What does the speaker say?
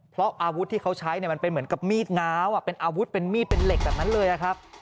เพราะอาวุธที่เขาใช้เนี่ยมันเป็นเหมือนกับมีดง้าวเป็นอาวุธเป็นมีดเป็นเหล็กแบบนั้นเลยนะครับ